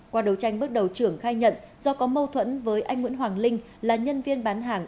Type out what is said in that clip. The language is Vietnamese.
qua đấu tranh bước đầu trưởng khai nhận do có mâu thuẫn với anh nguyễn hoàng linh là nhân viên bán hàng